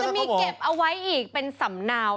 อาจจะมีเก็บเอาไว้อีกเป็นสำนาว